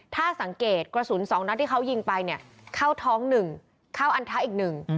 ถ้าสังเกตกระสุนสองนัดที่เขายิงไปเนี่ยเข้าท้องหนึ่งเข้าอันทะอีกหนึ่ง